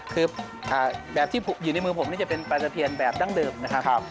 คือแบบที่อยู่ในมือผมนี่จะเป็นปลาสะเทียนแบบดั้งเดิมนะครับ